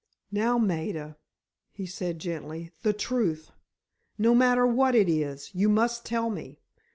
"Now, Maida," he said, gently, "the truth. No matter what it is, you must tell me.